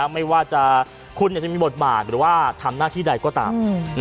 ไม่ว่าคุณจะมีบทบาทหรือว่าทำหน้าที่ใดก็ตาม